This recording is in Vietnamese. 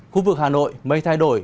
khu vực hà nội mây thay đổi